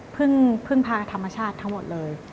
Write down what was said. พึ่งพาธรรมชาติทั้งหมดเลย